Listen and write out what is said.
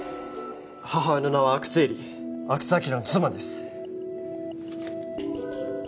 母親の名は阿久津絵里阿久津晃の妻です